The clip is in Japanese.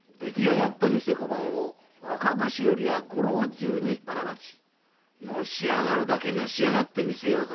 この偽小判を若年寄や老中にばらまきのし上がるだけのし上がって見せようぞ。